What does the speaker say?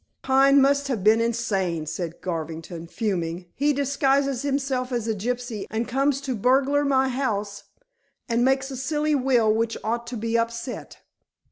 "Pine must have been insane," said Garvington, fuming. "He disguises himself as a gypsy, and comes to burgle my house, and makes a silly will which ought to be upset."